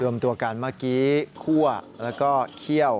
รวมตัวกันเมื่อกี้คั่วแล้วก็เคี่ยว